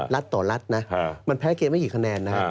รัฐต่อรัฐนะมันแพ้เกมไม่กี่คะแนนนะ